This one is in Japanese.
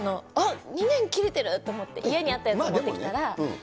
あっ、２年切れてると思って、家にあったやつ持ってきたら。